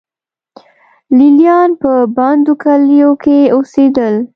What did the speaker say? لې لیان په بندو کلیو کې اوسېدل.